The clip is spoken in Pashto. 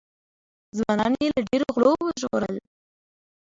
ځوانان یې له ډېرو غولو وژغورل.